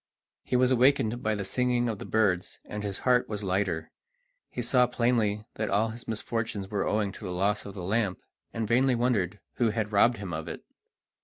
He was awakened by the singing of the birds, and his heart was lighter. He saw plainly that all his misfortunes were owing to the loss of the lamp, and vainly wondered who had robbed him of it.